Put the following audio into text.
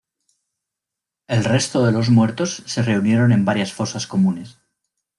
El resto de los muertos se reunieron en varias fosas comunes.